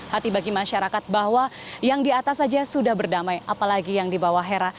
hati bagi masyarakat bahwa yang di atas saja sudah berdamai apalagi yang di bawah hera